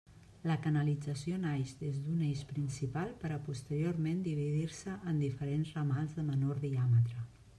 La canalització naix des d'un eix principal per a posteriorment dividir-se en diferents ramals de menor diàmetre.